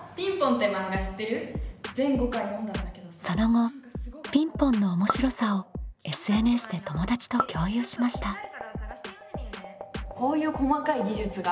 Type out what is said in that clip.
その後「ピンポン」の面白さをＳＮＳで友達と共有しました。